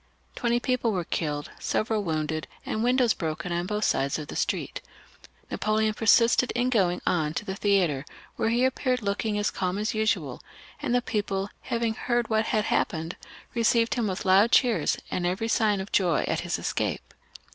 Twenty people were killed, several wounded, and windows broken on both sides of the street. Napoleon persisted in going on to the theatre, where he appeared looking as calm as usual ; and the people, having heard of what had hap pened, received him with loud cheers, and every sign of joy at his escape.